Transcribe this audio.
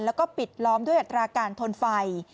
แล้วก็ปิดล้อมด้วยอัตราการทนไฟ